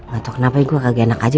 gak tau kenapa gue kagak enak aja